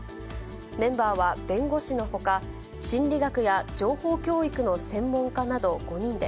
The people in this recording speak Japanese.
メンバーは弁護士のほか、心理学や情報教育の専門家など５人で、